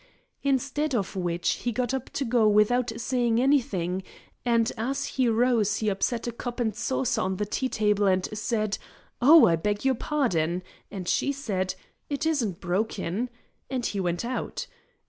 Instead of which he got up to go without saying anything, and as he rose he upset a cup and saucer on the tea table, and said, 'Oh, I beg your pardon;' and she said, 'It isn't broken;' and he went out.